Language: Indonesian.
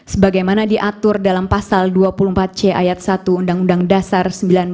sebagaimana diatur dalam pasal dua puluh empat c ayat satu undang undang dasar seribu sembilan ratus empat puluh lima